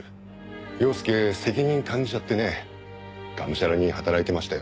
陽介責任感じちゃってねがむしゃらに働いてましたよ。